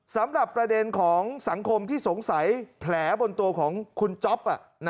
สำหรับประเด็นของสังคมที่สงสัยแผลบนตัวของคุณจ๊อป